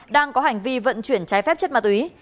đang có hành vi vận chuyển trái phép chất ma túy